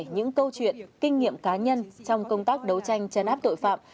những câu chuyện kinh nghiệm cá nhân trong công tác đấu tranh chấn áp tội phạm